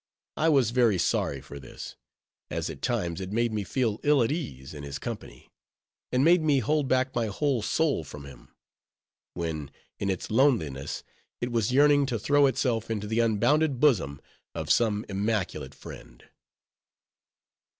I was very sorry for this; as at times it made me feel ill at ease in his company; and made me hold back my whole soul from him; when, in its loneliness, it was yearning to throw itself into the unbounded bosom of some immaculate friend.